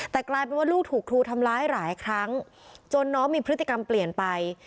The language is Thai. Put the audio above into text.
แต่กลายเป็นว่าลูกถูกครูทำร้ายหลายครั้งจนน้องมีพฤติกรรมเปลี่ยนไป